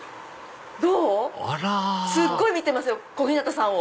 あらすごい見てますよ小日向さんを。